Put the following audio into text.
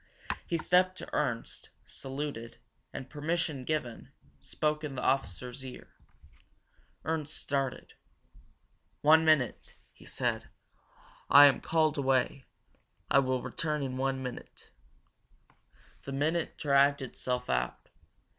He stepped up to Ernst, saluted, and, permission given, spoke in the officer's ear. Ernst started. "One minute," he said. "I am called away I will return in one minute." The minute dragged itself out.